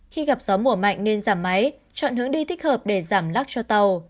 khi gặp gió mùa mạnh nên giảm máy chọn hướng đi thích hợp để giảm lắc cho tàu